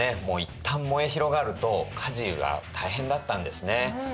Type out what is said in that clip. もういったん燃え広がると火事が大変だったんですね。